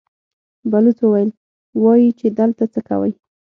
بلوڅ وويل: وايي چې دلته څه کوئ؟